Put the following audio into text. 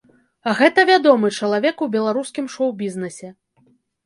А гэта вядомы чалавек у беларускім шоу-бізнэсе.